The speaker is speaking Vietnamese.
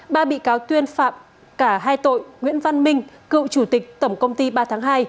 ba bị cáo tuyên phạm cả hai tội nguyễn văn minh cựu chủ tịch tổng công ty ba tháng hai